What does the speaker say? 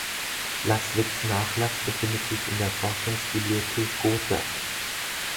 Laßwitz’ Nachlass befindet sich in der Forschungsbibliothek Gotha.